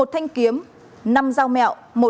một thanh kiếm năm dao mẹo